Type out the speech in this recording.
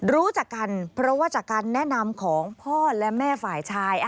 รู้จักกันเพราะว่าจากการแนะนำของพ่อและแม่ฝ่ายชาย